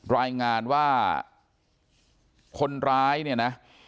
รายงานว่าคนร้ายเนี่ยนะ